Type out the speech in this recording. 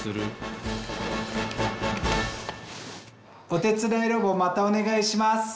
おてつだいロボまたおねがいします。